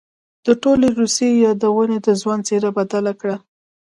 د ټولې روسيې يادونې د ځوان څېره بدله کړه.